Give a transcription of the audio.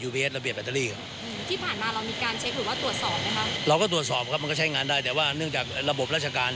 เวลาจัดซื้อจัดจ้างมันไม่เหมือนกับเองรับเปล่า